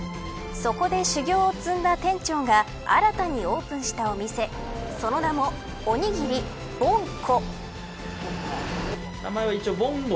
そこで修業を積んだ店長が新たにオープンしたお店その名もおにぎりぼんこ。